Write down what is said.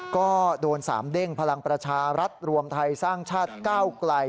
ก็โดน๓เด้งพลังประชารัฐรวมไทยสร้างชาติก้าวไกล